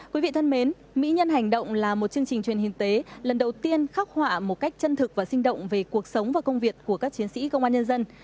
quý vị thân mến mỹ nhân hành động là một chương trình truyền hình tế lần đầu tiên khắc họa một cách chân thực và sinh động về cuộc sống và công việc của các chiến sĩ công an nhân dân